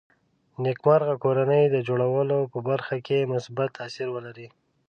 نېکمرغه کورنۍ د جوړولو په برخه کې مثبت تاثیر ولري